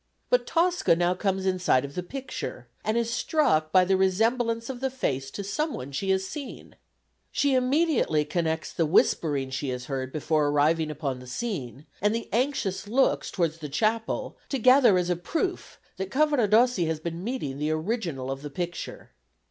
But Tosca now comes in sight of the picture, and is struck by the resemblance of the face to some one she has seen. She immediately connects the whispering she has heard before arriving upon the scene and the anxious looks towards the chapel together as a proof that Cavaradossi has been meeting the original of the picture.